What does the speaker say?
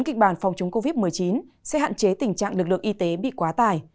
kịch bản phòng chống covid một mươi chín sẽ hạn chế tình trạng lực lượng y tế bị quá tải